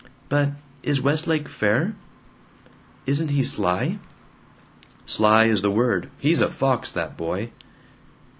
"But is Westlake fair? Isn't he sly?" "Sly is the word. He's a fox, that boy!"